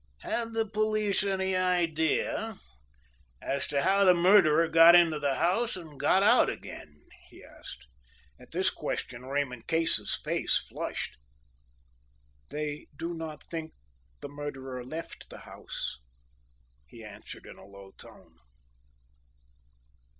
"Have the police any idea as to how the murderer got into the house and got out again?" he asked. At this question Raymond Case's face flushed. "They do not think the murderer left the house," he answered in a low tone.